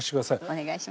お願いします。